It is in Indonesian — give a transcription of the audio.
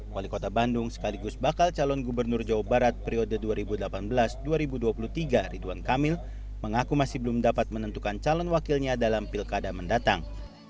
wali kota bandung sekaligus bakal calon gubernur jawa barat periode dua ribu delapan belas dua ribu dua puluh tiga ridwan kamil mengaku masih belum dapat menentukan calon wakilnya dalam pilkada mendatang